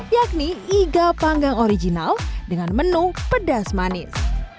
yakni iga panggang original dengan menu pedas manis